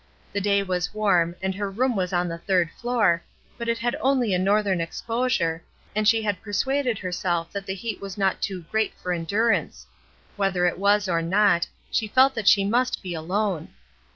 The day was warm, and her room was on the third floor, but it had only a northern ex posure, and she had persuaded herself that the heat was not too great for endurance; whether it was or not, she felt that she must be alone.